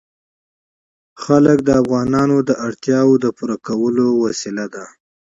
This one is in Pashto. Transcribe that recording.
وګړي د افغانانو د اړتیاوو د پوره کولو وسیله ده.